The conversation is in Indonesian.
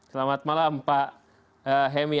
selamat malam pak hemi